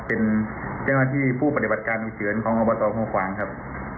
เป็นเจ้าหน้าที่ผู้ปฏิบัติการวิเศรษฐ์ของอบตควงฟางครับ